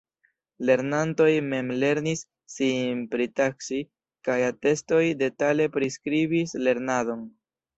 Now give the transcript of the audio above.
Lernantoj mem lernis sin pritaksi kaj atestoj detale priskribis lernadon.